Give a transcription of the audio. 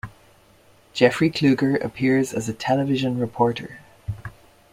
Jeffrey Kluger appears as a television reporter.